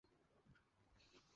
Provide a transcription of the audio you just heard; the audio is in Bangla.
আমরা খুশি হতাম যদি-- বাবা!